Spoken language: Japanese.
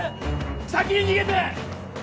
先に逃げて！